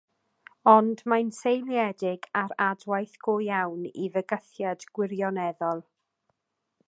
Ond mae'n seiliedig ar adwaith go iawn i fygythiad gwirioneddol.